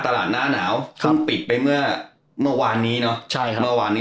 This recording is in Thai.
หน้าหนาวเพิ่งปิดไปเมื่อเมื่อวานนี้เนอะใช่ครับเมื่อวานนี้